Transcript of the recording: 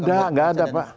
nggak ada nggak ada pak